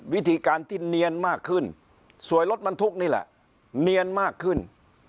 วิธีการที่เนียนมากขึ้นสวยรถบรรทุกนี่แหละเนียนมากขึ้น